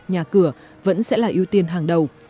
nhà cửa vẫn sẽ là ưu tiên hàng đầu